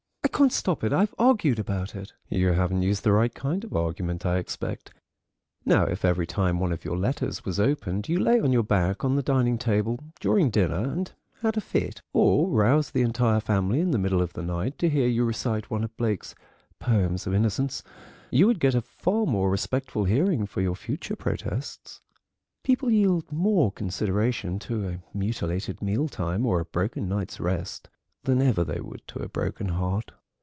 "I can't stop it. I've argued about it—" "You haven't used the right kind of argument, I expect. Now, if every time one of your letters was opened you lay on your back on the dining table during dinner and had a fit, or roused the entire family in the middle of the night to hear you recite one of Blake's 'Poems of Innocence,' you would get a far more respectful hearing for future protests. People yield more consideration to a mutilated mealtime or a broken night's rest, than ever they would to a broken heart."